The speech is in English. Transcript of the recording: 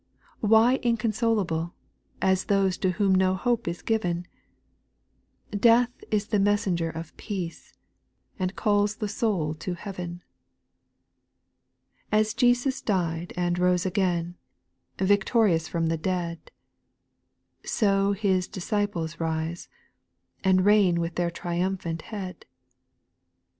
2. Why inconsolable, as those To whom no hope is given 1 Death is the messenger of peace, And calls the soul to heaven. 8. As Jesus died, and rose again, Victorious from the dead. So His disciples rise, and reign With their triumphant Head.